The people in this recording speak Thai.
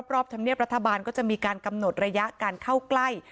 ธรรมเนียบรัฐบาลก็จะมีการกำหนดระยะการเข้าใกล้